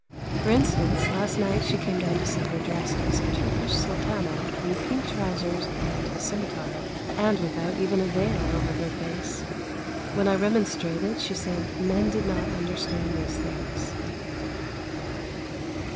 For instance, last night she came down to supper dressed as a Turkish Sultana in pink trousers and a scimitar, and without even a veil over her face. When I remonstrated she said men did not understand these things.